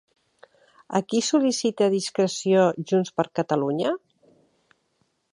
A qui sol·licita discreció Junts per Catalunya?